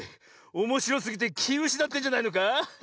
おもしろすぎてきうしなってんじゃないのか？